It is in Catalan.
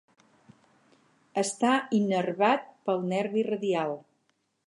Està innervat pel nervi radial.